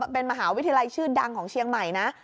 เป็นมหาวิทยาลัยชื่อดังของเชียงใหม่นะ